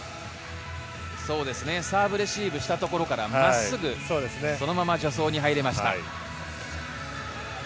サーブレシーブしたところから真っすぐ、そのまま助走に入れました。